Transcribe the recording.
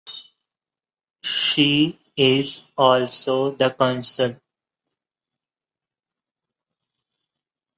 She is also the Consul.